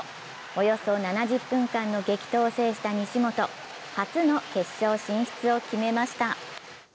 およそ７０分間の激闘を制した西本、初の決勝進出を決めました。